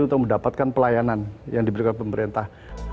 untuk mendapatkan pelayanan yang diberikan pemerintah